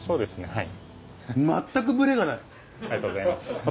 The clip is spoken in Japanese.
はい。